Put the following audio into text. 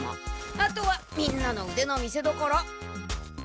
あとはみんなのうでの見せどころ。